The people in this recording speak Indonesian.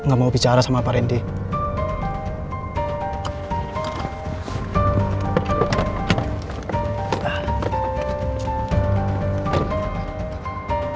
gak mau bicara sama pak randy